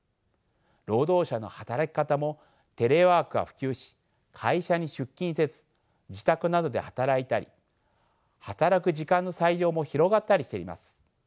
労働者の働き方もテレワークが普及し会社に出勤せず自宅などで働いたり働く時間の裁量も広がったりしています。